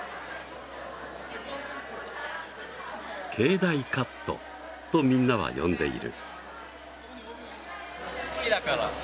けいだいカットとみんなは呼んでいる。